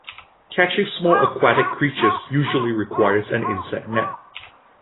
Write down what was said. Catching small aquatic creatures usually requires an insect net.